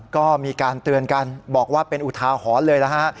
ก็มีการเตือนกันบอกว่าเป็นอุทาหรณ์เลยนะฮะ